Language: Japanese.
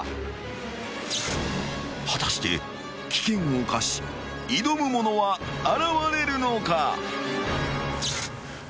［果たして危険を冒し挑む者は現れるのか？］